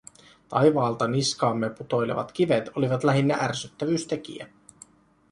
Taivaalta niskaamme putoilevat kivet olivat lähinnä ärsyttävyystekijä.